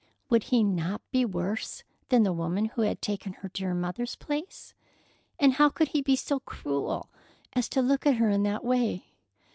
Would he not be worse than the woman who had taken her dear mother's place? And how could he be so cruel as to look at her in that way?